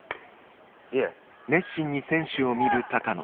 いえ。